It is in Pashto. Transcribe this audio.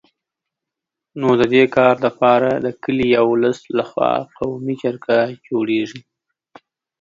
نو د دي کار دپاره د کلي یا ولس له خوا قومي جرګه جوړېږي